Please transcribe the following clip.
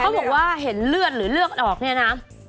บอกว่าเห็นเลือดหรือเลือดออกเนี่ยนะ